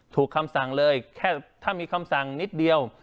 คำสั่งเลยแค่ถ้ามีคำสั่งนิดเดียว